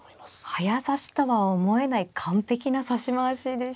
早指しとは思えない完璧な指し回しでしたね。